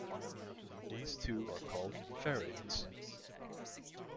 These too are called ferrates.